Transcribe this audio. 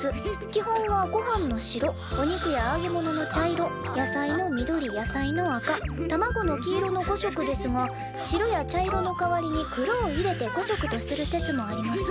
基本はごはんの白お肉やあげ物の茶色野菜の緑野菜の赤卵の黄色の５色ですが白や茶色の代わりに黒を入れて５色とする説もあります」。